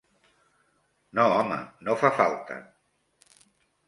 No, home, no fa falta.